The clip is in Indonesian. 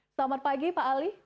selamat pagi pak ali